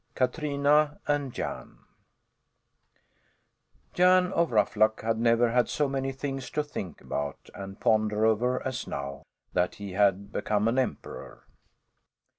KATRINA AND JAN Jan of Ruffluck had never had so many things to think about and ponder over as now, that he had become an emperor.